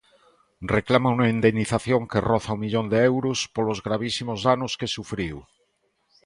Reclama unha indemnización que roza o millón de euros polos gravísimos danos que sufriu.